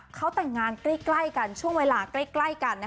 เขาแต่งงานใกล้กันช่วงเวลาใกล้กัน